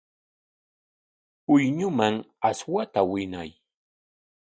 Puyñuman aswata winay.